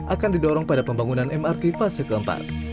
akan didorong pada pembangunan mrt fase keempat